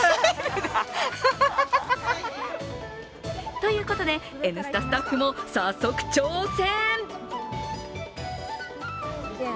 ということで「Ｎスタ」スタッフも早速挑戦！